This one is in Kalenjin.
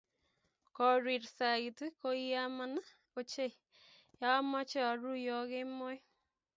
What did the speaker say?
Korir sait koiaman ochei ya amache aruu yokemoi